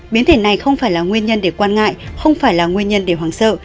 biến thể này không phải là nguyên nhân để quan ngại không phải là nguyên nhân để hoàng sợ